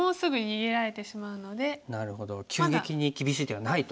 なるほど急激に厳しい手がないと。